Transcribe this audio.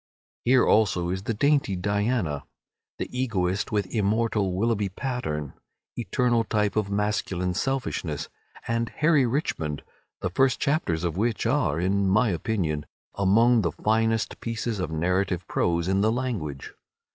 Here also is the dainty "Diana," the egoist with immortal Willoughby Pattern, eternal type of masculine selfishness, and "Harry Richmond," the first chapters of which are, in my opinion, among the finest pieces of narrative prose in the language.